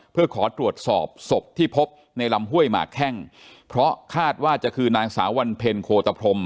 เพื่อขอตรวจสอบศพที่พบในลำห้วยหมากแข้งเพราะคาดว่าจะคือนางสาววันเพ็ญโคตพรม